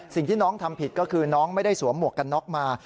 สิ่งที่น้องทำผิดก็คือน้องไม่ได้สวมหมวกกันน็อกมา